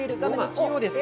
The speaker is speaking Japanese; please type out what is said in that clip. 中央です。